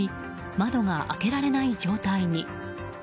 窓が開けられない状態に。